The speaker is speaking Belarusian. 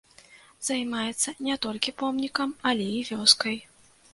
Займаецца не толькі помнікам, але і вёскай.